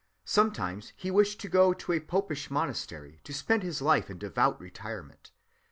Sometimes he wished to go to a popish monastery, to spend his life in devout retirement.